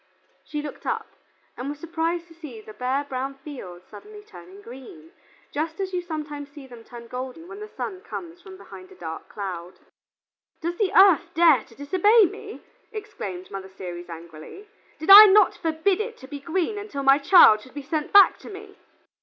She looked up, and was surprised to see the bare brown fields suddenly turning green, just as you sometimes see them turn golden when the sun comes from behind a dark cloud. "Does the Earth dare to disobey me?" exclaimed Mother Ceres angrily. "Did I not forbid it to be green until my child should be sent back to me?"